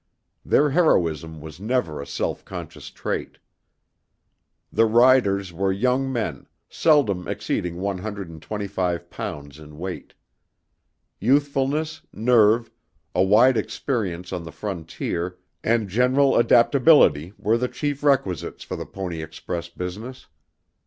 Their heroism was never a self conscious trait. The riders were young men, seldom exceeding one hundred and twenty five pounds in weight. Youthfulness, nerve, a wide experience on the frontier and general adaptability were the chief requisites for the Pony Express business.